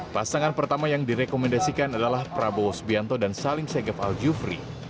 pasangan pertama yang direkomendasikan adalah prabowo subianto dan salim segef al jufri